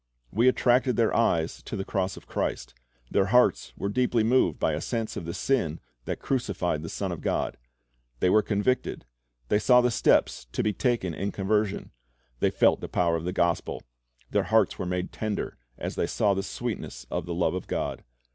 We attracted their eyes to the cross of Christ. Their hearts were deeply moved by a sense of the sin that crucified the Son of God. They were convicted. They saw the steps to be taken in conversion; they felt the power of the gospel; their hearts were made tender as they saw the sweetness of the love of God.